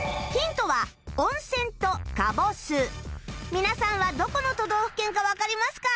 皆さんはどこの都道府県かわかりますか？